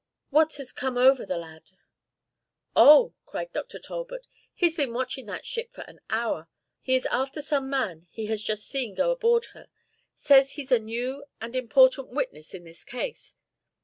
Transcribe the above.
What has come over the lad?" "Oh!" cried Dr. Talbot, "he's been watching that ship for an hour. He is after some man he has just seen go aboard her. Says he's a new and important witness in this case.